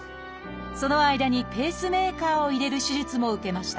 その間にペースメーカーを入れる手術も受けました。